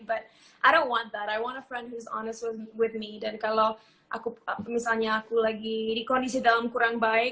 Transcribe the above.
but i don't want that i want a friend who's honest with me dan kalau aku misalnya aku lagi di kondisi dalam kurang baik